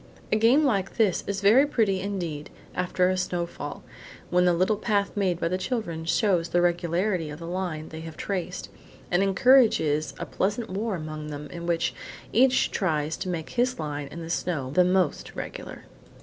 A game like this is very pretty, indeed, after a snowfall, when the little path made by the children shows the regularity of the line they have traced, and encourages a pleasant war among them in which each one tries to make his line in the snow the most regular.